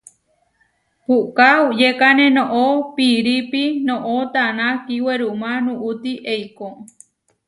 Puʼká uʼyékane noʼó piirípi noʼó taná kiwerumá nuʼuti eikó.